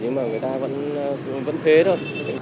nhưng mà người ta vẫn thế thôi